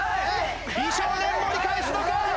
美少年盛り返すのか！？